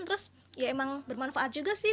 terus ya emang bermanfaat juga sih